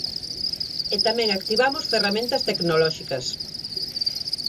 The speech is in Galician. E tamén activamos ferramentas tecnolóxicas.